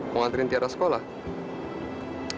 mau nganterin tiara ke sekolah